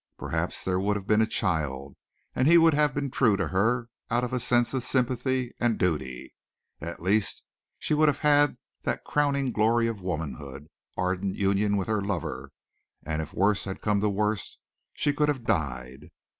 Perhaps there would have been a child, and he would have been true to her out of a sense of sympathy and duty. At least she would have had that crowning glory of womanhood, ardent union with her lover, and if worst had come to worst she could have died.